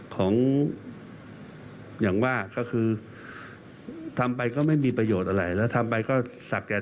ของอย่างว่าก็คือทำไปก็ไม่มีประโยชน์อะไรแล้วทำไปก็สับแก่